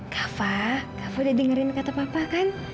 kafa kava udah dengerin kata papa kan